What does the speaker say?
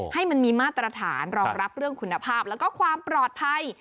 ให้มันมีมาตรฐานรองรับเรื่องคุณภาพแล้วก็ความปลอดภัย